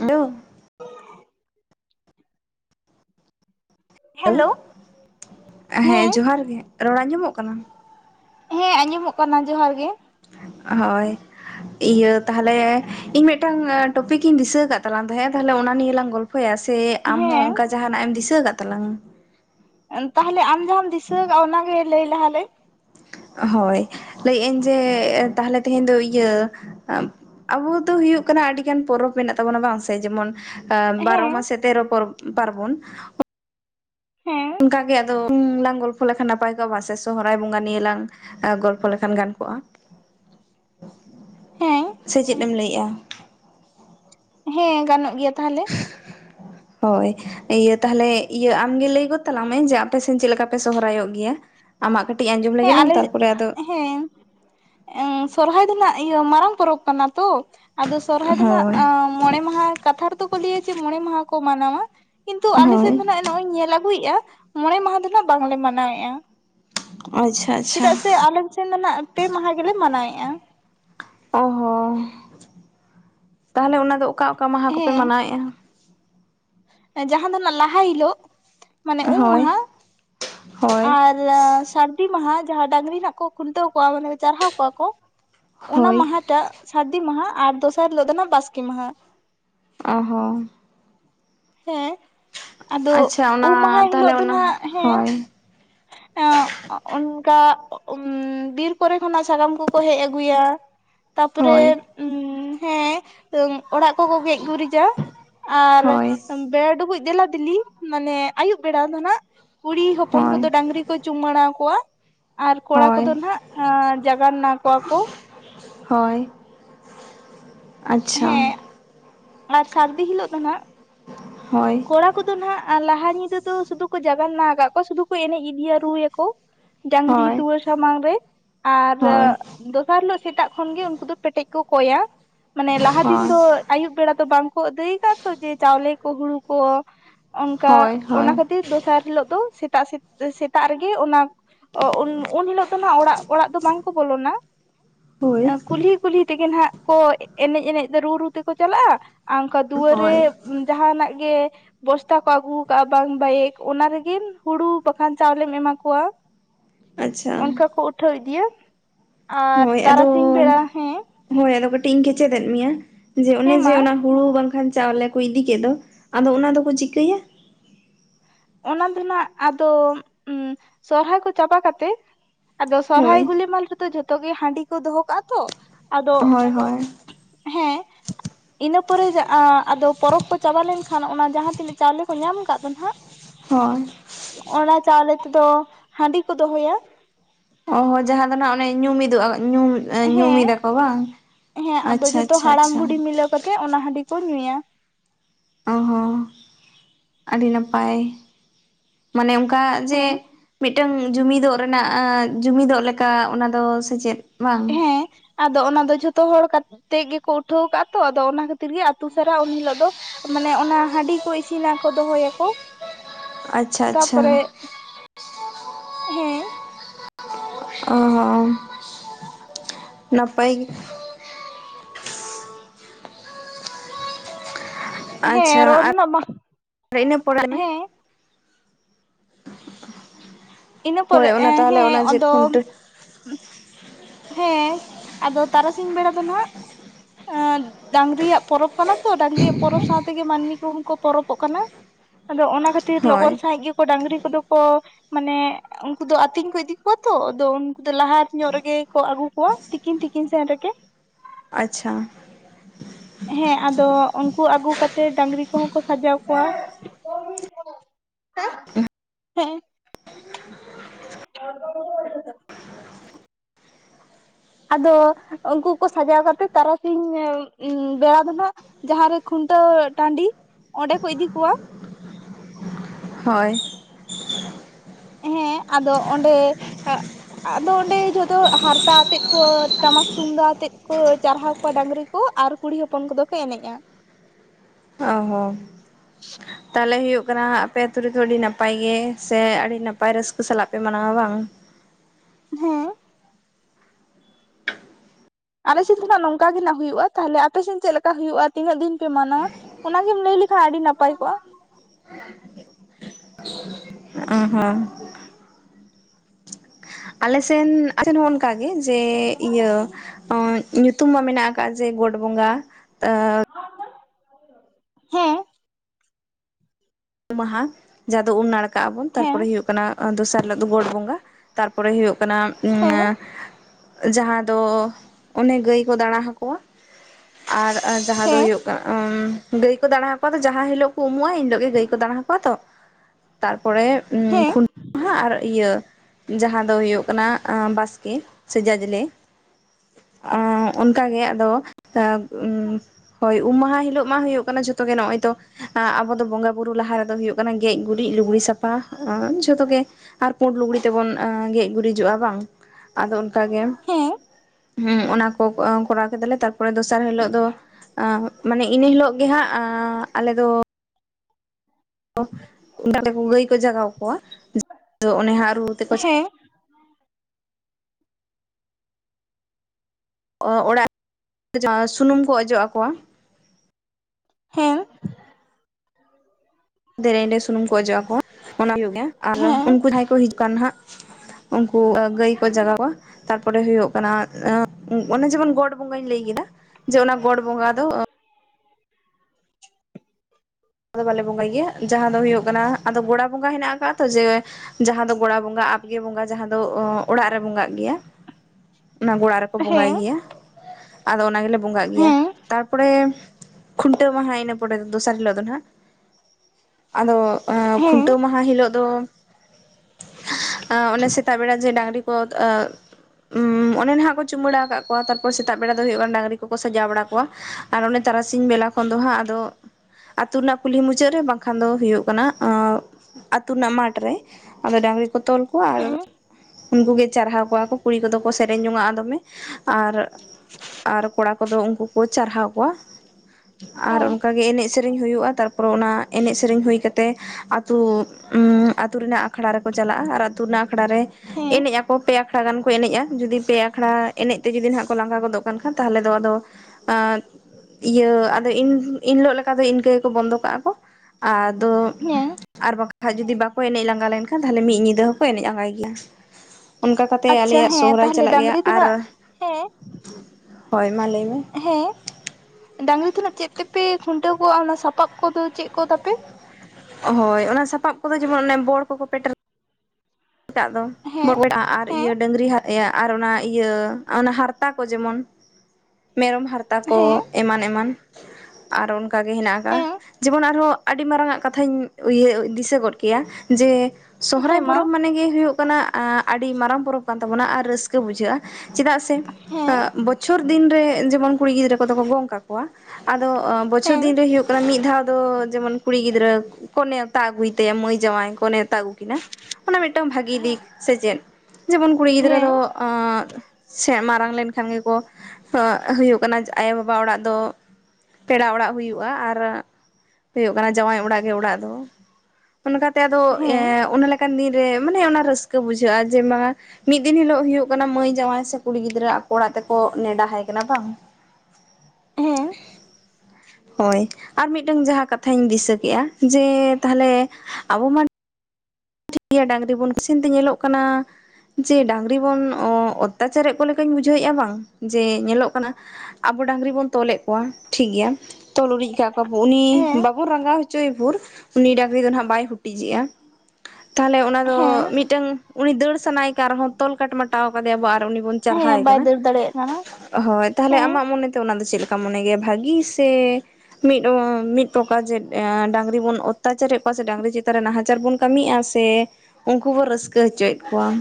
Hello. Hello. ᱦᱮᱸ ᱡᱚᱦᱟᱨ ᱜᱮ᱾ ᱨᱚᱲᱟ ᱟᱸᱡᱚᱢᱚᱜ ᱠᱟᱱᱟ? ᱦᱮᱸ ᱟᱸᱡᱚᱢᱚᱜ ᱠᱟᱱᱟ ᱡᱚᱦᱟᱨ ᱜᱮ ᱦᱚᱭ ᱤᱭᱟᱹ ᱛᱟᱦᱚᱞᱮ ᱤᱧ ᱢᱤᱫᱴᱟᱝ ᱴᱚᱯᱤᱠ ᱤᱧ ᱫᱤᱥᱟᱹ ᱟᱠᱟᱫ ᱛᱟᱞᱟᱝ ᱛᱟᱦᱮᱸᱫ ᱛᱟᱦᱚᱞᱮ ᱚᱱᱟ ᱱᱤᱭᱟᱹ ᱞᱟᱝ ᱜᱚᱞ ᱯᱚᱭᱟ ᱥᱮ ᱟᱢ ᱦᱚᱸ ᱚᱱᱠᱟ ᱦᱮᱸ ᱡᱟᱦᱟᱱᱟᱜ ᱮᱢ ᱫᱤᱥᱟᱹ ᱟᱠᱟᱫ ᱛᱟᱞᱟᱝ-ᱟ? ᱛᱟᱦᱚᱞᱮ ᱟᱢ ᱡᱟᱦᱟᱸᱢ ᱫᱤᱥᱟᱹ ᱟᱠᱟᱫ-ᱟ ᱚᱱᱟᱜᱮ ᱞᱟᱹᱭ ᱞᱟᱦᱟ ᱞᱮᱢ? ᱦᱚᱭ ᱞᱟᱹᱭᱮᱫ ᱟᱹᱧ ᱡᱮ ᱛᱟᱦᱚᱞᱮ ᱛᱮᱦᱮᱧ ᱫᱚ ᱤᱭᱟᱹ ᱟᱵᱚ ᱫᱚ ᱦᱩᱭᱩᱜ ᱠᱟᱱᱟ ᱟᱹᱰᱤᱜᱟᱱ ᱯᱚᱨᱚᱵᱽ ᱢᱮᱱᱟᱜ ᱛᱟᱵᱚᱱᱟ ᱵᱟᱝ ᱥᱮ ᱡᱮᱢᱚᱱ ᱵᱟᱨᱚ ᱦᱮᱸ ᱢᱟᱥᱮ ᱛᱮᱨᱚ ᱯᱚᱨᱚ ᱯᱟᱨᱵᱚᱱ ᱦᱮᱸ ᱚᱱᱠᱟ ᱜᱮ ᱟᱫᱚ ᱞᱟᱝ ᱜᱚᱞᱯᱷᱚ ᱞᱮᱠᱷᱟᱱ ᱱᱟᱯᱟᱭ ᱠᱚᱜ-ᱟ ᱵᱟᱝ ᱥᱮ ᱥᱚᱦᱚᱨᱟᱭ ᱵᱚᱸᱜᱟ ᱱᱤᱭᱟ ᱞᱟᱝ ᱮ ᱜᱚᱞᱯᱷᱚ ᱞᱮᱠᱷᱟᱱ ᱜᱟᱱ ᱠᱚᱜ-ᱟ ᱦᱮᱸ ᱥᱮ ᱪᱮᱫ ᱮᱢ ᱞᱟᱹᱭᱮᱜ-ᱟ? ᱦᱮᱸ ᱜᱟᱱᱚᱜ ᱜᱮᱭᱟ ᱛᱟᱦᱚᱞᱮ ᱦᱚᱭ ᱤᱭᱟᱹ ᱛᱟᱦᱚᱞᱮ ᱤᱭᱟᱹ ᱟᱢᱜᱮ ᱞᱟᱹᱭ ᱜᱚᱫ ᱛᱟᱞᱟᱝ ᱢᱮ ᱡᱮ ᱟᱯᱮᱥᱮᱫ ᱪᱮᱫ ᱞᱮᱠᱟ ᱯᱮ ᱥᱚᱦᱨᱟᱭᱚᱜ ᱜᱮᱭᱟ? ᱟᱢᱟᱜ ᱠᱟᱹᱴᱤᱡ ᱟᱸᱡᱚᱢ ᱦᱮᱸ ᱞᱮᱜᱮ ᱞᱟᱝ ᱟᱞᱮ ᱛᱟᱨᱯᱚᱨᱮ ᱟᱫᱚ ᱦᱮᱸ ᱮᱝ ᱥᱚᱨᱦᱟᱭ ᱫᱚ ᱦᱟᱸᱜ ᱢᱟᱨᱟᱝ ᱯᱚᱨᱚᱵᱽ ᱠᱟᱱᱟ ᱛᱚ ᱟᱫᱚ ᱥᱚᱨᱦᱟᱭ ᱫᱚ ᱦᱳᱭ ᱦᱟᱸᱜ ᱢᱚᱬᱮ ᱢᱟᱦᱟ ᱠᱟᱛᱷᱟ ᱨᱮᱫᱚ ᱠᱚ ᱞᱟᱹᱭᱟ ᱡᱮ ᱢᱚᱬᱮ ᱢᱟᱦᱟ ᱠᱚ ᱢᱟᱱᱟᱣᱟ ᱠᱤᱱᱛᱩ ᱟᱞᱮ ᱦᱳᱭ ᱥᱮᱫ ᱫᱚ ᱱᱟᱜ ᱱᱚᱜᱚᱭ ᱤᱧ ᱧᱮᱞ ᱟᱜᱩᱭᱮᱜ-ᱟ ᱢᱚᱬᱮ ᱢᱟᱦᱟ ᱫᱚ ᱱᱟᱦᱟᱜ ᱵᱟᱝᱞᱮ ᱢᱟᱱᱟᱣᱮᱜ-ᱟ ᱟᱪᱪᱷᱟ ᱟᱪᱪᱷᱟ ᱪᱮᱫᱟᱜ ᱥᱮ ᱟᱞᱮ ᱥᱮᱱ ᱫᱚ ᱱᱟᱦᱟᱜ ᱯᱮ ᱢᱟᱦᱟ ᱜᱮᱞᱮ ᱢᱟᱱᱟᱣᱮᱜ-ᱟ᱾ ᱚ-ᱦᱚᱸ ᱛᱟᱦᱟᱞᱮ ᱚᱱᱟ ᱫᱚ ᱚᱠᱟ ᱚᱠᱟ ᱢᱟᱦᱟ ᱠᱚᱯᱮ ᱦᱮᱸ ᱢᱟᱱᱟᱣᱮᱜ-ᱟ? ᱡᱟᱦᱟᱸ ᱫᱚ ᱱᱟᱜ ᱞᱟᱦᱟ ᱦᱤᱞᱳᱜ ᱢᱟᱱᱮ ᱩᱢ ᱦᱳᱭ ᱢᱟᱦᱟ ᱦᱳᱭ ᱟᱨ ᱥᱟᱨ ᱛᱤ ᱢᱟᱦᱟ ᱡᱟᱦᱟᱸ ᱰᱟᱝᱨᱤ ᱱᱟᱦᱟᱜ ᱠᱚ ᱠᱷᱩᱱᱴᱟᱹᱣ ᱠᱚᱣᱟ ᱢᱟᱱᱮ ᱪᱟᱨᱦᱟᱣ ᱠᱚᱣᱟ ᱠᱚ ᱚᱱᱟ ᱦᱳᱭ ᱢᱟᱦᱟᱴᱟᱜ ᱥᱟᱨᱫᱤ ᱢᱟᱦᱟ ᱟᱨ ᱫᱚᱥᱟᱨ ᱦᱤᱞᱳᱜ ᱫᱚ ᱱᱟᱦᱟᱜ ᱵᱟᱥᱠᱮ ᱢᱟᱦᱟ ᱚᱸ ᱦᱚᱸ ᱦᱮᱸ ᱟᱫᱚ ᱟᱪᱪᱷᱟ ᱩᱢ ᱢᱟᱦᱟ ᱚᱱᱟ ᱦᱤᱞᱳᱜ ᱛᱟᱦᱚᱞᱮ ᱫᱚ ᱚᱱᱟ ᱱᱟᱦᱟᱜ ᱦᱮᱸ ᱦᱳᱭ ᱚᱸᱜ ᱚᱱᱠᱟ ᱚᱜᱩᱢ ᱵᱤᱨ ᱠᱚᱨᱮ ᱠᱷᱚᱱᱟᱜ ᱥᱟᱠᱟᱢ ᱠᱚᱠᱚ ᱦᱮᱡ ᱟᱜᱩᱭᱟ ᱛᱟ ᱯᱚᱨᱮ ᱦᱳᱭ ᱩᱸ ᱦᱮᱸ ᱚᱲᱟᱜ ᱠᱚᱠᱚ ᱜᱮᱡ ᱜᱩᱨᱤᱡᱟ ᱟᱨ ᱦᱳᱭ ᱵᱮᱲᱟ ᱰᱩᱵᱩᱡ ᱫᱮᱞᱟ ᱫᱮᱞᱤ ᱢᱟᱱᱮ ᱟᱭᱩᱵ ᱵᱮᱲᱟ ᱫᱚ ᱱᱷᱚᱱᱟᱜ ᱠᱩᱲᱤ ᱦᱚᱯᱚᱱ ᱦᱳᱭ ᱠᱚᱫᱚ ᱰᱟᱝᱨᱤ ᱠᱚ ᱪᱩᱢᱟᱹᱲᱟᱶ ᱠᱚᱣᱟ ᱟᱨ ᱠᱚᱲᱟ ᱦᱳᱭ ᱠᱚᱫᱚ ᱱᱟᱜ ᱡᱟᱜᱟᱱᱱᱟ ᱠᱚᱣᱟ ᱠᱚ ᱦᱚᱭ ᱦᱮᱸ ᱟᱨ ᱥᱟᱨᱫᱤ ᱦᱤᱞᱳᱜ ᱫᱚ ᱱᱟᱜ ᱦᱳᱭ ᱠᱚᱲᱟ ᱠᱚᱫᱚ ᱱᱟᱦᱟᱜ ᱞᱟᱦᱟ ᱧᱤᱫᱟᱹ ᱫᱚ ᱥᱩᱫᱩ ᱠᱚ ᱡᱟᱜᱟᱱᱱᱟ ᱟᱠᱟᱜ ᱠᱚᱣᱟ ᱥᱩᱫᱩ ᱠᱚ ᱮᱱᱮᱡ ᱤᱫᱤᱭᱟ ᱨᱩᱭᱟᱠᱚ ᱰᱟᱝᱨᱤ ᱦᱳᱭ ᱫᱩᱣᱟᱹᱨ ᱥᱟᱢᱟᱝ ᱨᱮ ᱟᱨ ᱮ ᱦᱳᱭ ᱫᱚᱥᱟᱨ ᱦᱤᱞᱳᱜ ᱥᱮᱛᱟᱜ ᱠᱷᱚᱱ ᱜᱮ ᱩᱱᱠᱩ ᱫᱚ ᱯᱮᱴᱮᱡ ᱠᱚ ᱠᱚᱭᱟ ᱢᱟᱱᱮ ᱞᱟᱦᱟ ᱫᱤᱱ ᱦᱳᱭ ᱫᱚ ᱟᱭᱩᱵ ᱵᱮᱲᱟ ᱫᱚ ᱵᱟᱝᱠᱚ ᱟᱹᱫᱟᱹᱭ ᱠᱟᱜᱟ ᱛᱚ ᱡᱮ ᱪᱟᱣᱞᱮ ᱠᱚ ᱦᱩᱲᱩ ᱠᱚ ᱚᱱᱠᱟ ᱦᱳᱭ ᱦᱳᱭ ᱚᱱᱟ ᱠᱷᱟᱛᱤᱨ ᱫᱚᱥᱟᱨ ᱦᱤᱞᱳᱜ ᱫᱚ ᱥᱮᱛᱟᱜ ᱥᱮᱫ ᱥᱮᱛᱟᱜ ᱨᱮᱜᱮ ᱚᱱᱟ ᱚ ᱩᱱ ᱩᱱ ᱦᱤᱞᱳᱜ ᱫᱚ ᱱᱟᱜ ᱚᱲᱟᱜ ᱚᱲᱟᱜ ᱫᱚ ᱵᱟᱝ ᱠᱚ ᱵᱚᱞᱚᱱᱟ ᱦᱳᱭ ᱠᱩᱞᱦᱤ ᱠᱩᱞᱦᱤ ᱛᱮᱜᱮ ᱱᱟᱦᱟᱜ ᱠᱚ ᱮᱱᱮᱡ ᱮᱱᱮᱡ ᱛᱮ ᱨᱩ ᱨᱩ ᱛᱮᱠᱚ ᱪᱟᱞᱟᱜ-ᱟ ᱟᱨ ᱚᱝᱠᱟ ᱫᱩᱣᱟᱹᱨ ᱨᱮ ᱦᱳᱭ ᱡᱟᱦᱟᱱᱟᱜ ᱜᱮ ᱵᱚᱥᱛᱟ ᱠᱚ ᱟᱜᱩᱣ ᱠᱟᱜ-ᱟ ᱵᱟᱝ ᱵᱟᱭᱤᱠ ᱚᱱᱟ ᱨᱮᱜᱮ ᱦᱩᱲᱩ ᱵᱟᱠᱷᱟᱱ ᱪᱟᱣᱞᱮᱢ ᱮᱢᱟ ᱠᱚᱣᱟ ᱟᱪᱪᱷᱟ ᱚᱱᱠᱟ ᱠᱚ ᱩᱴᱷᱟᱹᱣ ᱤᱫᱤᱭᱟ ᱟᱨ ᱦᱳᱭ ᱟᱫᱚ ᱛᱟᱨᱟᱥᱤᱧ ᱵᱮᱲᱟ ᱦᱮᱸ ᱦᱳᱭ ᱟᱫᱚ ᱠᱟᱹᱴᱤᱡ ᱤᱧ ᱠᱮᱪᱮᱫᱮᱫ ᱢᱮᱭᱟ ᱡᱮ ᱚᱱᱮ ᱦᱮᱸ ᱡᱮ ᱢᱟ ᱚᱱᱟ ᱦᱩᱲᱩ ᱵᱟᱝᱠᱷᱟᱱ ᱪᱟᱣᱞᱮ ᱠᱚᱭ ᱤᱫᱤᱠᱮᱜ ᱫᱚ ᱟᱫᱚ ᱚᱱᱟ ᱫᱚᱠᱚ ᱪᱤᱠᱟᱹᱭᱟ? ᱚᱱᱟ ᱫᱚ ᱱᱟᱦᱟᱜ ᱟᱫᱚ ᱥᱚᱨᱦᱟᱭ ᱠᱚ ᱪᱟᱵᱟ ᱠᱟᱛᱮ ᱟᱫᱚ ᱥᱚᱨᱦᱟᱭ ᱦᱳᱭ ᱜᱩᱞᱤᱢᱟᱞ ᱨᱮᱫᱚ ᱡᱷᱚᱛᱚ ᱜᱮ ᱦᱟᱸᱰᱤ ᱠᱚ ᱫᱚᱦᱚ ᱠᱟᱜ-ᱟ ᱛᱚ ᱟᱫᱚ ᱦᱳᱭ ᱦᱳᱭ ᱦᱮᱸ ᱾ ᱤᱱᱟᱹ ᱯᱚᱨᱮ ᱟ ᱟᱫᱚ ᱯᱚᱨᱚᱯ ᱠᱚ ᱪᱟᱵᱟ ᱞᱮᱱᱠᱷᱟᱱ ᱚᱱᱟ ᱡᱟᱦᱟᱸ ᱛᱤᱱᱟᱹᱜ ᱪᱟᱣᱞᱮ ᱠᱚ ᱧᱟᱢ ᱟᱠᱟᱫ ᱫᱚ ᱱᱟᱦᱟᱜ ᱦᱳᱭ ᱾ ᱚᱱᱟ ᱪᱟᱣᱞᱮ ᱛᱮᱫᱚ ᱦᱟᱸᱰᱤ ᱠᱚ ᱫᱚᱦᱚᱭᱟ ᱾ ᱚᱸ ᱦᱚᱸ ᱡᱟᱦᱟᱸ ᱫᱚ ᱱᱟᱦᱟᱜ ᱚᱱᱮ ᱧᱩᱢ ᱢᱤᱫᱚᱜ-ᱟ ᱧᱩᱢ ᱧᱩ ᱦᱮᱸ ᱢᱤᱫᱟᱠᱚ ᱵᱟᱝ ᱟᱪᱷᱟ ᱟᱪᱷᱟ ᱟᱪᱷᱟ ᱾ ᱛᱮ ᱚᱱᱟ ᱦᱟᱺᱰᱤ ᱠᱚ ᱧᱩᱭᱟ ᱾ ᱚᱸ ᱦᱚᱸ ᱟᱰᱤ ᱱᱟᱯᱟᱭ ᱢᱟᱱᱮ ᱚᱱᱠᱟ ᱾ ᱠᱟᱜ ᱡᱮ ᱦᱮᱸ ᱢᱤᱫᱴᱟᱹᱝ ᱡᱩᱢᱤᱫᱚᱜ ᱨᱮᱱᱟᱜ ᱡᱩᱢᱤᱫᱚᱜ ᱞᱮᱠᱟ ᱚᱱᱟ ᱫᱚ ᱥᱮ ᱪᱮᱫ? ᱵᱟᱝ? ᱦᱮᱸ ᱟᱫᱚ ᱚᱱᱟ ᱫᱚ ᱡᱷᱚᱛᱚ ᱦᱚᱲ ᱠᱟᱛᱮᱜ ᱜᱮᱠᱚ ᱩᱴᱷᱟᱹᱣ ᱟᱠᱟᱜ-ᱟ ᱛᱚ ᱟᱫᱚ ᱚᱱᱟ ᱠᱷᱟᱹᱛᱤᱨ ᱜᱮ ᱟᱛᱩ ᱥᱮᱜ ᱨᱮ ᱩᱱ ᱦᱤᱞᱳᱜ ᱫᱚ ᱢᱟᱱᱮ ᱚᱱᱟ ᱦᱟᱺᱰᱤ ᱠᱚ ᱤᱥᱤᱱᱟᱠᱚ ᱫᱚᱦᱚᱭᱟᱠᱚ ᱟᱪᱪᱷᱟ ᱾ ᱛᱟ ᱟᱪᱪᱷᱟ ᱯᱚᱨᱮ ᱦᱮᱸ ᱾ ᱚᱸ ᱱᱟᱯᱟᱭ ᱜᱤ ᱾ ᱦᱮᱸ ᱟᱪᱪᱷᱟ ᱨᱚᱲ ᱟᱨ ᱫᱚ ᱱᱟᱦᱟᱜ ᱵᱟᱸᱦ ᱤᱱᱟᱹ ᱯᱚᱨᱮ ᱢᱮ ᱦᱮᱸ ᱾ ᱤᱱᱟᱹ ᱯᱚᱨᱮ ᱦᱳᱭ ᱚᱱᱟ ᱛᱟᱦᱚᱞᱮ ᱦᱮᱸ ᱚᱱᱟ ᱡᱮ ᱟᱫᱚ ᱠᱷᱩᱱᱴᱟᱹ ᱦᱮᱸ ᱟᱫᱚ ᱛᱟᱨᱟᱥᱤᱧ ᱵᱮᱲᱟ ᱫᱚ ᱱᱟᱦᱟᱜ ᱰᱟᱝᱨᱤᱭᱟᱜ ᱯᱚᱨᱚᱯ ᱠᱟᱱᱟ ᱛᱚ ᱰᱟᱝᱨᱤᱭᱟᱜ ᱯᱚᱨᱚᱯ ᱥᱟᱶ ᱛᱮᱜᱮ ᱢᱟᱱᱢᱤ ᱠᱚᱦᱚᱸ ᱠᱚ ᱯᱚᱨᱚᱯᱚᱜ ᱠᱟᱱᱟ ᱟᱫᱚ ᱚᱱᱟ ᱠᱷᱟᱹᱛᱤᱨ ᱞᱚᱜᱚᱱ ᱦᱳᱭ ᱥᱟᱸᱦᱤᱡ ᱜᱮᱠᱚ ᱰᱟᱝᱨᱤ ᱩᱱᱠᱩ ᱫᱚ ᱠᱚ ᱢᱟᱱᱮ ᱩᱱᱠᱩ ᱫᱚ ᱟᱹᱛᱤᱧ ᱠᱚ ᱤᱫᱤ ᱠᱚᱣᱟ ᱛᱚ, ᱟᱫᱚ ᱩᱱᱠᱩ ᱫᱚ ᱞᱟᱦᱟ ᱧᱚᱜ ᱨᱮᱜᱮ ᱠᱚ ᱟᱹᱜᱩ ᱠᱚᱣᱟ ᱛᱤᱠᱤᱱ ᱛᱤᱠᱤᱱ ᱥᱮᱱ ᱨᱮᱜᱮ ᱟᱪᱪᱷᱟ ᱾ ᱦᱮᱸ ᱟᱫᱚ ᱩᱱᱠᱩ ᱟᱹᱜᱩ ᱠᱟᱛᱮᱜ ᱰᱟᱝᱨᱤ ᱠᱚᱦᱚᱸ ᱠᱚ ᱥᱟᱡᱟᱣ ᱠᱚᱣᱟ ᱾ ᱦᱮᱸ ᱦᱮᱸ‌ ᱾ [unintelligible] ᱟᱫᱚ ᱩᱱᱠᱩ ᱠᱚ ᱥᱟᱡᱟᱣ ᱠᱟᱛᱮᱜ ᱛᱟᱨᱟᱥᱤᱧ ᱵᱮᱲᱟ ᱫᱚ ᱱᱦᱟᱜ ᱡᱟᱦᱟᱸ ᱨᱮ ᱠᱷᱩᱱᱴᱟᱹᱣ ᱴᱟᱺᱰᱤ ᱚᱸᱰᱮᱠᱩ ᱤᱫᱤ ᱠᱚᱣᱟ ᱾ ᱦᱳᱭ ᱾ ᱦᱮᱸ ᱟᱫᱚ ᱚᱸᱰᱮ, ᱟᱫᱚ ᱚᱸᱰᱮ ᱡᱷᱚᱛ ᱫᱚ ᱦᱟᱨᱛᱟ ᱟᱛᱮᱫ ᱠᱚ ᱴᱟᱢᱟᱠ ᱛᱩᱢᱫᱟᱜ ᱟᱛᱮᱫ ᱠᱚ ᱪᱟᱨᱦᱟᱣ ᱠᱚᱣᱟ ᱰᱲᱝᱨᱤ ᱠᱚ ᱟᱨ ᱠᱩᱲᱤ ᱦᱚᱯᱚᱱ ᱠᱚᱫᱚ ᱠᱚ ᱮᱱᱮᱡᱼᱟ ᱾ ᱚ ᱦᱚᱸ ᱾ [unintelligible] ᱛᱟᱦᱚᱞᱮ ᱦᱩᱭᱳᱜ ᱠᱟᱱᱟ ᱟᱯᱮ ᱟᱛᱳ ᱨᱮᱫᱚ ᱟᱹᱰᱤ ᱱᱟᱯᱟᱭ ᱜᱮ ᱥᱮ ᱟᱹᱰᱤ ᱱᱟᱯᱟᱭ ᱨᱟᱹᱥᱠᱟᱹ ᱥᱟᱞᱟᱜ ᱯᱮ ᱢᱟᱱᱟᱣᱟ, ᱵᱟᱝ? ᱦᱮᱸ ᱾ ᱟᱞᱮᱥᱮᱫ ᱫᱚ ᱱᱟᱜ ᱱᱚᱝᱠᱟ ᱜᱮ ᱱᱟᱜ ᱦᱩᱭᱩᱜᱼᱟ, ᱛᱟᱦᱚᱞᱮ ᱟᱯᱮᱥᱮᱫ ᱪᱮᱫ ᱞᱮᱠᱟ ᱦᱩᱭᱩᱜᱼᱟ, ᱛᱤᱱᱟᱹᱜ ᱫᱤᱱ ᱯᱮ ᱢᱟᱱᱟᱣᱟ? ᱚᱱᱟᱜᱮᱢ ᱞᱟᱹᱭ ᱞᱮᱠᱷᱟᱱ ᱟᱹᱰᱤ ᱱᱟᱯᱟᱭ ᱠᱚᱜᱼᱟ ᱾ [unintelligible] ᱩᱸ ᱦᱩᱸ ᱾ ᱟᱞᱮ ᱥᱮᱱ [unintelligible] ᱦᱚᱸ ᱚᱱᱠᱟᱜᱮ, ᱡᱮ ᱤᱭᱟᱹ ᱧᱩᱛᱩᱢ ᱢᱟ ᱢᱮᱱᱟᱜ ᱟ ᱠᱟ ᱡᱮ ᱜᱳᱰ ᱵᱩᱝᱜᱟ ᱟᱹ ᱦᱮᱸ ᱾ ᱢᱟᱦᱟ ᱡᱟᱦᱟᱸ ᱫᱚ ᱩᱢ ᱱᱟᱲᱠᱟᱜ ᱟᱵᱚᱱ ᱦᱮᱸ ᱛᱟᱨᱯᱚᱨᱮ ᱦᱳᱭᱳᱜ ᱠᱟᱱᱟ ᱫᱚᱥᱟᱨ ᱦᱤᱞᱳᱜ ᱫᱚ ᱜᱚᱰ ᱵᱚᱸᱜᱟ᱾ ᱛᱟᱨᱯᱚᱨᱮ ᱦᱳᱭᱳᱜ ᱠᱟᱱᱟ ᱦᱮᱸ ᱩᱱ ᱡᱟᱦᱟᱸ ᱫᱚ ᱚᱱᱮ ᱜᱟᱹᱭ ᱠᱚ ᱫᱟᱬᱟ ᱦᱟᱠ ᱠᱚᱣᱟ ᱟᱨ ᱡᱟᱦᱟᱸ ᱫᱚ ᱦᱮᱸ ᱦᱳᱭᱳᱜ ᱠᱟ ᱟᱢ ᱜᱟᱹᱭ ᱠᱳ ᱫᱟᱬᱟ ᱟᱠᱚᱣᱟ ᱡᱟᱦᱟᱸ ᱦᱤᱞᱳᱜ ᱠᱚ ᱩᱢᱩᱜᱼᱟ ᱮᱱ ᱦᱤᱞᱳᱜ ᱜᱮ ᱜᱟᱹᱭ ᱠᱚ ᱫᱟᱬᱟ ᱟᱠᱚᱣᱟ ᱛᱚ? ᱛᱟᱨᱯᱚᱨᱮ ᱦᱮᱸ ᱠᱷᱩᱱ ᱢᱟᱦᱟ ᱟᱨ ᱤᱭᱟᱹ ᱡᱟᱦᱟᱸ ᱫᱚ ᱦᱳᱭᱳᱜ ᱠᱟᱱᱟ ᱵᱟᱥᱠᱮ ᱥᱮ ᱡᱟᱡᱟᱞᱮ ᱚ ᱚᱱᱠᱟᱜᱮ ᱟᱫᱚ ᱦᱳᱭ ᱩᱢ ᱢᱟᱦᱟ ᱦᱤᱞᱳᱜ ᱢᱟ ᱦᱳᱭᱳᱜ ᱠᱟᱱᱟ ᱡᱚᱛᱚ ᱜᱮ ᱱᱚᱜᱚᱭ ᱛᱚ ᱟᱵᱚ ᱫᱚ ᱵᱚᱸᱜᱟ ᱵᱩᱨᱩ ᱞᱟᱦᱟ ᱨᱮᱫᱚ ᱦᱳᱭᱳᱜ ᱠᱟᱱᱟ ᱜᱮᱡ ᱜᱩᱨᱤᱡ ᱞᱩᱜᱽᱲᱤᱡ ᱥᱟᱯᱷᱟ ᱡᱷᱚᱛᱚ ᱜᱮ ᱟᱨ ᱯᱳᱸᱰ ᱞᱩᱜᱽᱲᱤ ᱛᱮᱵᱚᱱ ᱜᱮᱡ ᱜᱩᱨᱤᱡᱚᱜᱼᱟ ᱵᱟᱝ? ᱟᱫᱚ ᱚᱱᱠᱟᱜᱮ ᱦᱮᱸ ᱦᱩ ᱚᱱᱟ ᱠᱚ ᱠᱚᱨᱟᱣ ᱠᱮᱫᱟᱞᱮ ᱛᱟᱨᱯᱚᱨᱮ ᱫᱚᱥᱟᱨ ᱦᱤᱞᱳᱜ ᱫᱚ ᱢᱟᱱᱮ ᱤᱱᱟᱹ ᱦᱤᱞᱳᱜ ᱜᱮ ᱦᱟᱸᱜ ᱟᱞᱮᱫ ᱫᱚ [unintelligible] [inaudible] ᱜᱟᱹᱭ ᱠᱚ ᱡᱟᱜᱟᱣ ᱠᱚᱣᱟ ᱚᱱᱮ ᱦᱟᱸᱜ ᱨᱩ ᱨᱩ ᱛᱮ ᱠᱚ ᱦᱮᱸ ᱚ ᱚᱲᱟᱜ ᱥᱩᱱᱩᱢ ᱠᱚ ᱚᱡᱚᱜ ᱟᱠᱚᱣᱟ᱾ ᱦᱮᱸ ᱫᱮᱨᱮᱸᱧ ᱨᱮ ᱥᱩᱱᱩᱢ ᱠᱚ ᱚᱡᱚᱜ ᱟᱠᱚᱣᱟ ᱚᱱᱟ ᱦᱚᱭᱚᱜ ᱜᱮᱭᱟ ᱟᱨ ᱦᱮᱸ ᱩᱱᱠᱩ ᱡᱟᱦᱟᱸᱭ ᱠᱚ ᱦᱤᱡᱩᱜ ᱠᱟᱱ ᱦᱟᱜ ᱩᱱᱠᱩ ᱜᱟᱹᱭ ᱠᱚ ᱡᱟᱜᱟᱣ ᱠᱚᱣᱟ ᱛᱟᱨᱯᱚᱨᱮ ᱦᱳᱭᱳᱜ ᱠᱟᱱᱟ ᱚᱱᱮ ᱡᱮᱢᱚᱱ ᱜᱚᱰ ᱵᱚᱸᱜᱟᱧ ᱞᱟᱹᱭ ᱠᱮᱫᱟ ᱡᱮ ᱚᱱᱟ ᱜᱚᱰ ᱵᱚᱸᱜᱟ ᱫᱚ᱾ ᱟᱞᱮ ᱫᱚ ᱵᱟᱞᱮ ᱵᱚᱸᱜᱟᱭ ᱜᱮᱭᱟ ᱡᱟᱦᱟᱸ ᱫᱚ ᱦᱳᱭᱳᱜ ᱠᱟᱱᱟ ᱟᱫᱚ ᱜᱚᱲᱟ ᱵᱚᱸᱜᱟ ᱦᱮᱱᱟᱜ ᱟᱠᱟᱫ-ᱟ ᱛᱚ ᱡᱮ ᱡᱟᱦᱟᱸ ᱫᱚ ᱜᱚᱲᱟ ᱵᱚᱸᱜᱟ ᱟᱯᱜᱮ ᱵᱚᱸᱜᱟ ᱡᱟᱦᱟᱸ ᱫᱚ ᱚᱲᱟᱜ ᱨᱮ ᱵᱚᱸᱜᱟᱜ ᱜᱮᱭᱟ ᱚᱱᱟ ᱜᱚᱲᱟ ᱵᱚᱸᱜᱟᱭ ᱦᱮᱸ ᱜᱮᱭᱟ ᱟᱫᱚ ᱚᱱᱟ ᱜᱮᱞᱮ ᱵᱚᱸᱜᱟᱜ ᱜᱮᱭᱟ ᱛᱟᱨᱯᱚᱨᱮ ᱴᱷᱩᱱᱴᱟᱹᱣ ᱢᱟᱦᱟ ᱤᱱᱟᱹ ᱯᱚᱨᱮ ᱫᱚᱥᱟᱨ ᱦᱤᱞᱳᱜ ᱫᱚ ᱱᱟᱜ᱾ ᱟᱫᱚ ᱟ ᱦᱮᱸ ᱦᱮᱸ ᱠᱷᱩᱱᱴᱟᱹᱣ ᱢᱟᱦᱟ ᱦᱤᱞᱳᱜ ᱫᱚ ᱚᱱᱮ ᱥᱮᱛᱟᱜ ᱵᱮᱲᱟ ᱡᱮ ᱰᱟᱝᱨᱤ ᱠᱚᱴ ᱟ ᱩᱸ ᱚᱱᱮ ᱱᱟᱦᱟᱜ ᱠᱚ ᱪᱩᱢᱟᱹᱲᱟ ᱠᱟᱜ ᱠᱚᱣᱟ ᱛᱟᱨᱯᱚᱨ ᱥᱮᱛᱟᱜ ᱵᱮᱲᱟ ᱫᱚ ᱦᱳᱭᱳᱜ ᱠᱟᱱᱟ ᱰᱟᱝᱨᱤ ᱠᱚᱠᱚ ᱥᱟᱡᱟᱣ ᱵᱟᱲᱟ ᱠᱚᱣᱟ᱾ ᱟᱨ ᱚᱱᱮ ᱛᱟᱨᱟᱥᱤᱧ ᱵᱮᱞᱟ ᱠᱷᱚᱱ ᱫᱚ ᱦᱟᱸᱜ ᱟᱫᱚ ᱛᱩᱨ ᱨᱮᱱᱟᱜ ᱠᱩᱞᱦᱤ ᱢᱩᱪᱟᱹᱫ ᱨᱮ ᱵᱟᱝᱠᱷᱟᱱ ᱫᱚ ᱦᱳᱭᱳᱜ ᱠᱟᱱᱟ ᱟᱜ ᱟᱛᱩ ᱨᱮᱱᱟᱜ ᱢᱟᱴᱷᱨᱮ ᱟᱫᱚ ᱰᱟᱝᱨᱤ ᱠᱚ ᱛᱚᱞ ᱠᱚᱣᱟ ᱟᱨ ᱦᱮᱸ ᱩᱱᱠᱩᱜᱮ ᱪᱟᱨᱦᱟᱣ ᱠᱚᱣᱟ ᱠᱚ ᱠᱩᱲᱤ ᱠᱚᱫᱚ ᱠᱚ ᱥᱮᱨᱮᱧ ᱡᱚᱱᱟᱜᱼᱟ ᱫᱚᱢᱮ ᱟᱨ ᱟᱨ ᱠᱚᱲᱟ ᱠᱚᱫᱚ ᱩᱱᱠᱩ ᱠᱚ ᱪᱟᱨᱦᱟᱣ ᱠᱚᱣᱟ ᱟᱨ ᱚ ᱚᱱᱠᱟᱜ ᱜᱮ ᱮᱱᱮᱡ ᱥᱮᱨᱮᱧ ᱦᱩᱭᱩᱜᱼᱟ ᱛᱟᱨᱯᱚᱨᱮ ᱚᱱᱟ ᱮᱱᱮᱡ ᱥᱮᱨᱮᱧ ᱦᱩᱭ ᱠᱟᱛᱮ ᱟᱛᱩ ᱩ ᱟᱛᱩ ᱨᱮᱱᱟᱜ ᱟᱠᱷᱲᱟ ᱨᱮᱠᱚ ᱪᱟᱞᱟᱜᱼᱟ ᱟᱨ ᱟᱛᱩ ᱨᱮᱱᱟᱜ ᱟᱠᱷᱲᱟ ᱨᱮ ᱦᱮᱸ ᱮᱱᱮᱡ ᱟᱠᱚ ᱯᱮ ᱟᱠᱷ ᱠᱷᱲᱟ ᱜᱟᱱ ᱠᱚ ᱮᱱᱮᱡᱼᱟ ᱡᱩᱫᱤ ᱯᱮ ᱟᱠᱷᱲᱟ ᱮᱱᱮᱡ ᱛᱮ ᱡᱩᱫᱤ ᱱᱟᱜ ᱠᱚ ᱞᱟᱸᱜᱟ ᱜᱚᱫᱚᱜ ᱠᱟᱱ ᱠᱷᱟᱱ ᱛᱟᱦᱚᱞᱮ ᱫᱚ ᱟᱫᱚ ᱮᱫ ᱤᱭᱟᱹ ᱟᱫᱚ ᱤᱱ ᱤᱱ ᱦᱤᱞᱳᱜ ᱞᱮᱠᱟ ᱫᱚ ᱤᱱ ᱠᱟᱹ ᱜᱮ ᱵᱚᱱᱫᱚ ᱠᱟᱜᱼᱟ ᱠᱚ ᱟ ᱫᱚ ᱦᱮᱸ ᱟᱨ ᱵᱟᱠᱷᱟᱡ ᱡᱩᱫᱤ ᱵᱟᱠᱚ ᱮᱱᱮᱡ ᱞᱟᱸᱜᱟ ᱞᱮᱱᱠᱷᱟᱱ ᱛᱟᱦᱚᱞᱮ ᱢᱤᱫ ᱧᱤᱫᱟᱹ ᱦᱚᱸᱠᱚ ᱮᱱᱮᱡ ᱟᱸᱜᱟᱭ ᱜᱮᱭᱟ ᱾ ᱚᱱᱠᱟ ᱠᱟᱛᱮᱜ ᱟᱪᱪᱷᱟ ᱟᱞᱮᱭᱟᱜ ᱦᱮᱸ ᱥᱚᱦᱨᱟᱭ ᱛᱟᱦᱚᱞᱮ ᱪᱟᱞᱟᱜ ᱜᱮᱭᱟ ᱰᱟᱝᱨᱤ ᱫᱚ ᱟᱨ ᱱᱟᱜ ᱦᱮᱸ ᱦᱳᱭ ᱢᱟ ᱞᱟᱹᱭ ᱢᱮ? ᱦᱮᱸ ᱰᱟᱝᱨᱤ ᱛᱟᱦᱮᱱᱟ ᱪᱮᱫ ᱛᱮᱯᱮ ᱠᱷᱩᱱᱴᱟᱹᱣ ᱠᱚᱣᱟ ᱚᱱᱟ ᱥᱟᱯᱟᱵ ᱠᱚᱫᱚ ᱪᱮᱫ ᱠᱚ ᱛᱟᱯᱮ? ᱦᱳᱭ ᱚᱱᱟ ᱥᱟᱯᱟᱵ ᱠᱚᱫᱚ ᱡᱮᱢᱚᱱ ᱚᱱᱮ ᱵᱚᱲ ᱠᱚᱠᱚ ᱯᱮᱴᱨ ᱠᱟᱜ ᱫᱚ ᱦᱮᱸ [unintelligible] ᱟᱨ ᱦᱮᱸ ᱤᱭᱟᱹ ᱰᱟᱹᱝᱨᱤ ᱦᱟᱜ ᱮᱭᱟᱜ ᱟᱨ ᱚᱱᱟ ᱤᱭᱟᱹ ᱚᱱᱟ ᱦᱟᱨᱛᱟ ᱠᱚ ᱡᱮᱢᱚᱱ ᱢᱮᱨᱚᱢ ᱦᱟᱨᱛᱟ ᱠᱚ ᱦᱮᱸ ᱮᱢᱟᱱ ᱮᱢᱟᱱ ᱟᱨᱚ ᱚᱱᱠᱟᱜ ᱜᱮ ᱦᱮᱱᱟᱜ ᱟᱠᱟᱜᱼᱟ ᱦᱮᱸ ᱡᱮᱢᱚᱱ ᱟᱨᱦᱚᱸ ᱟᱹᱰᱤ ᱢᱟᱨᱟᱝ ᱟᱜ ᱠᱟᱛᱷᱟᱧ ᱤᱭᱟᱹ ᱫᱤᱥᱟᱹ ᱜᱚᱫ ᱠᱮᱭᱟ ᱡᱮ ᱥᱚᱦᱚᱨᱟᱭ ᱦᱮᱸ ᱢᱟ ᱯᱚᱨᱚᱵᱽ ᱢᱟᱱᱮ ᱜᱮ ᱦᱩᱭᱩᱜ ᱠᱟᱱᱟ ᱟᱹᱰᱤ ᱢᱟᱨᱟᱝ ᱯᱚᱨᱚᱵᱽ ᱠᱟᱱ ᱛᱟᱵᱚᱱᱟ ᱟᱨ ᱨᱟᱹᱥᱠᱟᱹ ᱵᱩᱡᱷᱟᱹᱜᱼᱟ ᱾ ᱪᱮᱫᱟᱜ ᱥᱮ ᱦᱮᱸ ᱵᱚᱪᱷᱚᱨ ᱫᱤᱱ ᱨᱮ ᱡᱮᱢᱚᱱ ᱠᱩᱲᱤ ᱜᱤᱫᱽᱨᱟᱹ ᱠᱚᱫᱚ ᱠᱚ ᱜᱚᱝ ᱠᱟᱠᱚᱣᱟ ᱟᱫᱚ ᱵᱚᱪᱷᱚᱨ ᱦᱮᱸ ᱫᱤᱱ ᱨᱮ ᱦᱳᱭᱳᱜ ᱠᱟᱱᱟ ᱢᱤᱫ ᱫᱷᱟᱣ ᱫᱚ ᱡᱮᱢᱚᱱ ᱠᱩᱲᱤ ᱜᱤᱫᱽᱨᱟᱹ ᱠᱚᱱᱮᱣᱛᱟ ᱟᱹᱜᱩᱭ ᱛᱟᱭᱟ ᱢᱟᱹᱭ ᱡᱟᱶᱟᱭ ᱠᱚ ᱱᱮᱚᱛᱟ ᱟᱹᱜᱩ ᱠᱤᱱᱟ ᱾ ᱚᱱᱟ ᱢᱤᱫᱴᱟᱝ ᱵᱷᱟᱜᱤ ᱫᱤᱠ ᱦᱮᱸ ᱥᱮᱪᱮᱫ ᱡᱮᱢᱚᱱ ᱠᱩᱲᱤ ᱜᱤᱫᱽᱨᱟᱹ ᱦᱮᱸ ᱫᱚ ᱥᱮ ᱢᱟᱨᱟᱝ ᱞᱮᱱᱠᱷᱟᱱ ᱜᱮᱠᱚ ᱦᱩᱭᱩᱜ ᱠᱟᱱᱟ ᱟᱭᱳᱼᱵᱟᱵᱟ ᱚᱲᱟᱜ ᱫᱚ ᱯᱮᱲᱟ ᱚᱲᱟᱜ ᱦᱩᱭᱩᱜᱼᱟ ᱟᱨ ᱦᱩᱭᱩᱜ ᱠᱟᱱᱟ ᱡᱟᱶᱟᱭ ᱚᱲᱟᱜ ᱜᱮ ᱚᱲᱟᱜ ᱫᱚ ᱾ ᱚᱱᱠᱟᱛᱮ ᱟᱫᱚ ᱮ ᱦᱮᱸ ᱚᱱᱟ ᱞᱮᱠᱟᱱ ᱫᱤᱱᱨᱮ ᱢᱟᱱᱮ ᱚᱱᱟ ᱨᱟᱹᱥᱠᱟᱹ ᱵᱩᱡᱷᱟᱹᱜᱼᱟ ᱡᱮ ᱵᱟᱝ ᱢᱤᱫ ᱫᱤᱱ ᱦᱤᱞᱳᱜ ᱦᱩᱭᱩᱜ ᱠᱟᱱᱟ ᱢᱟᱹᱭ ᱡᱟᱶᱟᱭ ᱥᱮ ᱠᱩᱲᱤ ᱜᱤᱫᱽᱨᱟᱹ ᱟᱠᱚ ᱚᱲᱟᱜ ᱛᱮᱠᱚ ᱱᱮᱰᱟ ᱟᱭ ᱠᱟᱱᱟ ᱵᱟᱝ ᱾ ᱦᱮᱸ ᱾ ᱦᱳᱭ ᱟᱨ ᱢᱤᱫᱴᱟᱝ ᱡᱟᱦᱟᱸ ᱠᱟᱛᱷᱟᱧ ᱫᱤᱥᱟᱹ ᱠᱮᱫᱼᱟ ᱡᱮ ᱛᱟᱦᱞᱮ ᱟᱵᱚ ᱢᱟ ᱴᱷᱤᱠ ᱜᱮᱭᱟ ᱰᱟᱝᱨᱤ ᱵᱚᱱ ᱠᱤᱥᱤᱱ ᱛᱮ ᱧᱮᱞᱚᱜ ᱠᱟᱱᱟᱼᱼ ᱡᱮ ᱰᱟᱹᱟᱝᱨᱤ ᱵᱚᱱ ᱚᱛᱛᱟᱪᱟᱨᱮᱫ ᱠᱚ ᱞᱮᱠᱟᱧ ᱵᱩᱡᱷᱟᱹᱣᱮᱫᱼᱟ ᱵᱟᱝ ᱡᱮ ᱧᱮᱞᱚᱜ ᱠᱟᱱᱟ ᱟᱵᱚ ᱰᱟᱝᱨᱤ ᱵᱚᱱ ᱛᱚᱞᱮᱫ ᱠᱚᱣᱟ ᱴᱷᱤᱠ ᱜᱮᱭᱟ ᱛᱚᱞ ᱩᱨᱤᱡ ᱟᱠᱟᱜ ᱠᱚᱣᱟ ᱵᱚᱱ ᱩᱱᱤ ᱦᱮᱸ ᱵᱟᱵᱚᱱ ᱨᱟᱸᱜᱟᱣ ᱦᱚᱪᱚᱭᱮᱵᱷᱚᱨ ᱩᱱᱤ ᱰᱟᱹᱟᱝᱨᱤ ᱫᱚ ᱱᱟᱦᱟᱜ ᱵᱟᱭ ᱦᱩᱴᱤᱡᱮᱜᱼᱟ ᱛᱟᱦᱚᱞᱮ ᱚᱱᱟ ᱦᱮᱸ ᱫᱚ ᱢᱤᱫᱴᱟᱝ ᱩᱱᱤ ᱫᱟᱹᱲ ᱥᱟᱱᱟᱭᱮ ᱠᱟᱱ ᱨᱮᱦᱚᱸ ᱛᱚᱞ ᱠᱟᱴ ᱢᱟᱴᱟᱣ ᱟᱠᱟᱫᱮᱭᱟᱵᱚᱱ ᱟᱨ ᱩᱱᱤ ᱵᱚᱱ ᱦᱮᱸ ᱪᱟᱨᱦᱟᱣ ᱵᱟᱭ ᱫᱟᱹᱲ ᱫᱟᱲᱮᱭᱟᱜ ᱠᱟᱱᱟ ᱦᱳᱭ ᱛᱟᱦᱚᱞᱮ ᱦᱮᱸ ᱟᱢᱟᱜ ᱢᱚᱱᱮᱛᱮ ᱚᱱᱟ ᱫᱚ ᱪᱮᱫ ᱞᱮᱠᱟ ᱢᱚᱱᱮ ᱜᱮᱭᱟ ᱵᱷᱟᱜᱤ ᱥᱮ ᱢᱤᱫ ᱢᱤᱫ ᱯᱨᱚᱠᱟᱨ ᱡᱮ ᱰᱟᱹᱟᱝᱨᱤ ᱵᱚᱱ ᱚᱛᱛᱟᱪᱟᱨᱮᱫ ᱠᱚᱣᱟ ᱥᱮ ᱰᱟᱝᱝᱨᱤ ᱪᱮᱛᱟᱱ ᱨᱮ ᱱᱟᱦᱟᱪᱟᱨ ᱵᱚᱱ ᱠᱟᱹᱢᱤᱜᱼᱟ ᱥᱮ ᱩᱱᱠᱩ ᱵᱚ ᱨᱟᱹᱥᱠᱟᱹ ᱦᱚᱪᱚᱭᱮᱫ ᱠᱚᱣᱟ ᱾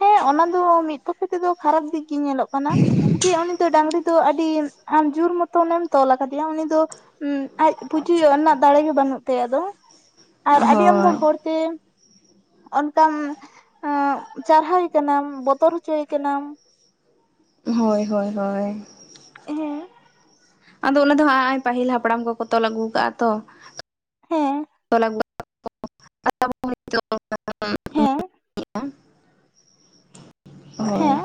ᱦᱮᱸ ᱚᱱᱟ ᱫᱚ ᱢᱤᱫ ᱯᱚᱠᱷᱮ ᱛᱮᱫᱚ ᱠᱷᱟᱨᱟᱯ ᱫᱤᱠ ᱜᱮ ᱧᱮᱞᱚᱜ ᱠᱟᱱᱟ ᱡᱮ ᱩᱱᱤ ᱫᱚ ᱰᱟᱝᱨᱤ ᱫᱚ ᱟᱹᱰᱤ ᱟᱢ ᱡᱳᱨ ᱢᱚᱛᱚᱱᱮ ᱮᱢ ᱛᱚᱞ ᱟᱠᱟᱫᱮᱭᱟ ᱩᱱᱤ ᱫᱚ ᱦᱩᱸ ᱟᱡ ᱯᱩᱪᱩᱡᱚᱜ ᱨᱮᱱᱟᱜ ᱫᱟᱲᱮᱜ ᱜᱮ ᱵᱟᱹᱱᱩᱜ ᱛᱟᱭᱟ ᱟᱫᱚ ᱾ ᱟᱨ ᱟᱹᱰᱤ ᱟᱢᱫᱟ ᱦᱳᱭ ᱦᱚᱲᱛᱮ ᱚᱱᱠᱟᱱ ᱟ ᱪᱟᱨᱦᱟᱣ ᱠᱟᱱᱟᱢ ᱵᱚᱛᱚᱨ ᱦᱚᱪᱚᱭᱮ ᱠᱟᱱᱟᱢ ᱦᱳᱭ ᱦᱳᱭ ᱦᱳᱭ ᱾ ᱦᱮᱸ ᱾ ᱟᱫᱚ ᱚᱱᱟ ᱫᱚ ᱱᱟᱜ ᱯᱟᱹᱦᱤᱞ ᱦᱟᱯᱲᱟᱢ ᱠᱚᱠᱚ ᱛᱚᱞ ᱟᱹᱜᱩ ᱠᱟᱜᱼᱟ ᱦᱮᱸ ᱛᱚᱞ ᱦᱮᱸ ᱦᱳᱭ ᱦᱮᱸ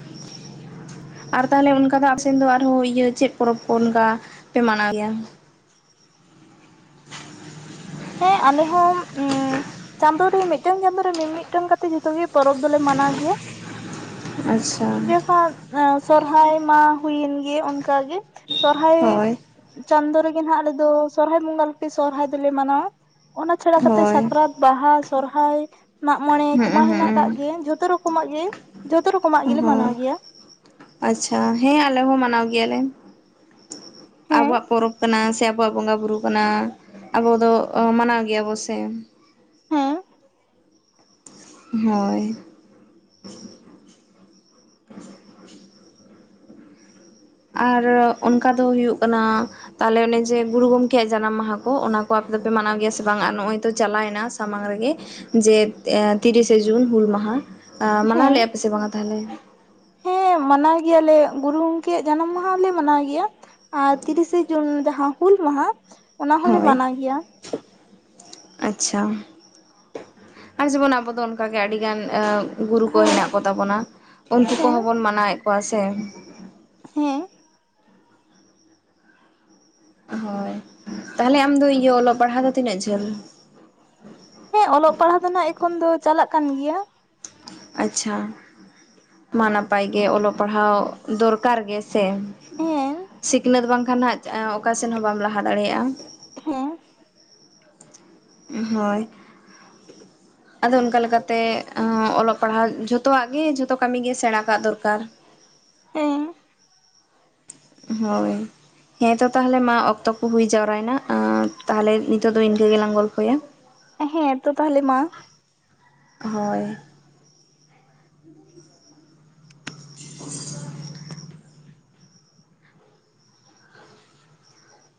᱾ ᱟᱨ ᱛᱟᱦᱞᱮ ᱚᱱᱠᱟ ᱫᱚ ᱟᱯᱮᱥᱮᱱ ᱫᱚ ᱟᱨᱦᱚᱸ ᱤᱭᱟᱹ ᱪᱮᱫ ᱯᱚᱨᱚᱵᱽ ᱠᱚ ᱚᱱᱠᱟ ᱯᱮ ᱢᱟᱱᱟᱣ ᱜᱮᱭᱟ? ᱦᱮᱸ ᱟᱞᱮᱦᱚ ᱩᱸ ᱾ ᱪᱟᱸᱫᱳ ᱨᱮ ᱢᱤᱫᱴᱟᱝ ᱜᱟᱱ ᱫᱚᱨᱮ ᱢᱤᱫ-ᱢᱤᱫᱴᱟᱝ ᱠᱟᱛᱮᱫ ᱡᱷᱚᱛᱚ ᱜᱮ ᱯᱚᱨᱚᱵᱽ ᱫᱚᱞᱮ ᱢᱟᱱᱟᱣ ᱜᱮᱭᱟ ᱾ ᱟᱪᱪᱷᱟ ᱡᱚᱠᱷᱚᱱ ᱥᱚᱨᱦᱟᱭ ᱢᱟ ᱦᱩᱭᱮᱱ ᱜᱮ ᱚᱱᱠᱟᱜᱮ ᱾ ᱥᱚᱨᱦᱟᱭ ᱦᱳᱭ ᱪᱟᱸᱫᱳ ᱨᱮᱜᱮ ᱱᱦᱟᱜ ᱟᱞᱮ ᱫᱚ ᱥᱚᱨᱦᱟᱭ ᱵᱚᱸᱜᱟ ᱞᱮ ᱥᱚᱨᱦᱟᱭ ᱫᱚᱞᱮ ᱢᱟᱱᱟᱣᱟ ᱾ ᱚᱱᱟ ᱪᱷᱟᱲᱟ ᱠᱟᱛᱮ ᱦᱳᱭ ᱥᱟᱠᱨᱟᱛ, ᱵᱟᱦᱟ, ᱥᱚᱨᱦᱟᱭ, ᱢᱟᱜ ᱢᱚᱬᱮ ᱦᱩᱸ ᱠᱚᱢᱟ ᱦᱮᱱᱟᱜ ᱟᱠᱟᱜ ᱦᱩᱸ ᱜᱮ ᱡᱷᱚᱛᱚ ᱨᱚᱠ ᱨᱚᱠᱚᱢᱟᱜ ᱜᱮ ᱡᱷᱚᱛᱚ ᱨᱚᱠᱚᱢᱟᱜ ᱜᱮᱞᱮ ᱦᱳᱭ ᱢᱟᱱᱟᱣ ᱜᱮᱭᱟ ᱾ ᱟᱪᱪᱷᱟ ᱦᱮᱸ ᱟᱞᱮ ᱦᱚᱸ ᱢᱟᱱᱟᱣ ᱜᱮᱭᱟᱞᱮ ᱾ ᱦᱮᱸ ᱟᱵᱚᱣᱟᱜ ᱯᱚᱨᱚᱵᱽ ᱠᱟᱱᱟ ᱥᱮ ᱟᱵᱚᱣᱟᱜ ᱵᱚᱸᱜᱟᱼᱵᱩᱨᱩ ᱠᱟᱱᱟ ᱾ ᱟᱵᱚ ᱫᱚ ᱢᱟᱱᱟᱣ ᱜᱮᱭᱟᱵᱚ ᱥᱮ ᱾ ᱦᱮᱸ ᱾ ᱦᱳᱭ ᱾ ᱟᱨ ᱚᱱᱠᱟ ᱫᱚ ᱦᱩᱭᱩᱜ ᱠᱟᱱᱟ ᱛᱟᱦᱞᱮ ᱚᱱᱮ ᱡᱮ ᱜᱩᱨᱩ ᱜᱚᱢᱠᱮᱭᱟᱜ ᱡᱟᱱᱟᱢ ᱢᱟᱦᱟ ᱠᱚ ᱚᱱᱟ ᱠᱚ ᱟᱯᱮ ᱫᱚᱯᱮ ᱢᱟᱱᱟᱣ ᱜᱮᱭᱟ ᱥᱮ ᱵᱟᱝ? ᱟᱨ ᱱᱚᱜ-ᱚᱭ ᱛᱚ ᱪᱟᱞᱟᱭᱱᱟ ᱥᱟᱢᱟᱝ ᱨᱮ ᱜᱮ ᱡᱮ ᱛᱤᱨᱤᱥᱮ ᱡᱩᱱ ᱦᱩᱞ ᱢᱟᱦᱟ ᱢᱟᱱᱟᱣ ᱦᱮᱸ ᱞᱮᱜ-ᱟ ᱯᱮ ᱥᱮ ᱵᱟᱝᱟ ᱛᱟᱦᱞᱮ? ᱦᱮᱸ ᱢᱟᱱᱟᱣ ᱜᱮᱭᱟᱞᱮ ᱜᱩᱨᱩ ᱜᱚᱝᱠᱮᱭᱟᱜ ᱡᱟᱱᱟᱢ ᱢᱟᱦᱟᱞᱮ ᱢᱟᱱᱟᱣ ᱜᱮᱭᱟ᱾ ᱟᱨ ᱛᱤᱨᱤᱥᱮ ᱡᱩᱱ ᱡᱟᱦᱟᱸ ᱦᱩᱞ ᱢᱟᱦᱟ ᱚᱱᱟ ᱦᱚᱞᱮ ᱦᱳᱭ ᱢᱟᱱᱟᱣ ᱜᱮᱭᱟ᱾ ᱟᱪᱪᱷᱟ ᱟᱨ ᱡᱮᱢᱚᱱ ᱟᱵᱚ ᱫᱚ ᱚᱱᱠᱟᱜᱮ ᱟᱹᱰᱤᱜᱟᱱ ᱜᱩᱨᱩ ᱠᱚ ᱦᱮᱸ ᱦᱮᱱᱟᱜ ᱠᱚᱛᱟ ᱵᱚᱱᱟ ᱩᱝᱠᱩ ᱦᱮᱸ ᱠᱚᱦᱚᱸ ᱵᱚᱱ ᱢᱟᱱᱟᱣᱮᱫ ᱠᱚᱣᱟ ᱥᱮ, ᱦᱮᱸ ᱦᱳᱭ ᱛᱟᱦᱞᱮ ᱟᱢᱫᱚ ᱤᱭᱟᱹ ᱚᱞᱚᱜ ᱯᱟᱲᱦᱟᱜ ᱫᱚ ᱛᱤᱱᱟᱹᱜ ᱡᱷᱟᱹᱞ? ᱦᱮᱸ ᱚᱞᱚᱜ ᱯᱟᱲᱦᱟᱜ ᱫᱚ ᱱᱟᱜ ᱮᱠᱷᱚᱱ ᱫᱚ ᱪᱟᱞᱟᱜ ᱠᱟᱱ ᱜᱮᱭᱟ᱾ ᱟᱪᱪᱷᱟ ᱢᱟ ᱱᱟᱯᱟᱭ ᱜᱮ ᱚᱞᱚᱜ ᱯᱟᱲᱦᱟᱣ ᱫᱚᱨᱠᱟᱨ ᱜᱮ ᱥᱮ, ᱦᱮᱸ ᱥᱤᱠᱱᱟᱹᱛ ᱵᱟᱝᱠᱷᱟᱱ ᱦᱟᱸᱜ ᱚᱠᱟᱥᱮᱱ ᱦᱚᱸ ᱵᱟᱢ ᱞᱟᱦᱟ ᱫᱟᱲᱮᱭᱟᱜ-ᱟ, ᱦᱮᱸ ᱦᱳᱭ [inaudible] ᱟᱫᱚ ᱚᱱᱠᱟ ᱞᱮᱠᱟᱛᱮ ᱚᱞᱚᱜ ᱯᱟᱲᱦᱟᱜ ᱡᱷᱚᱛᱚᱣᱟᱜ ᱜᱮ ᱡᱷᱚᱛᱚ ᱠᱟᱹᱢᱤᱜᱮ ᱥᱮᱲᱟ ᱠᱟᱜ ᱫᱚᱨᱠᱟᱨ᱾ ᱦᱮᱸ ᱦᱳᱭ ᱦᱮᱸ ᱛᱚ ᱛᱟᱦᱞᱮ ᱢᱟ ᱚᱠᱛᱚ ᱠᱚ ᱦᱩᱭ ᱡᱟᱣᱨᱟᱭᱱᱟ ᱛᱟᱦᱞᱮ ᱱᱤᱛᱳᱜ ᱫᱚ ᱤᱱᱠᱟᱹ ᱜᱮᱞᱟᱝ ᱜᱚᱞᱯᱷᱚᱭᱟ᱾ ᱦᱮᱸ ᱛᱚ ᱛᱟᱦᱞᱮ ᱢᱟ᱾ ᱦᱳᱭ [inaudible]